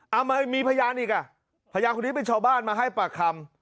เอามีพยานอีกอ่ะพยานคนนี้เป็นชาวบ้านมาให้ปากคำ